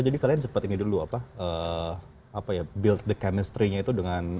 oh jadi kalian sempet ini dulu apa ya build the chemistry nya itu dengan